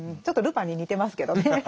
ちょっとルパンに似てますけどね。